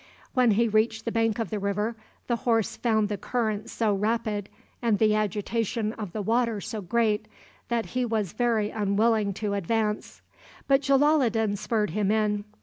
When he reached the bank of the river, the horse found the current so rapid and the agitation of the water so great that he was very unwilling to advance; but Jalaloddin spurred him in.